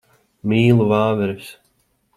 Mīlu vāveres.